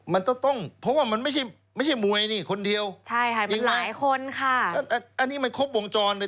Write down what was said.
มันจะต้องทำยังไง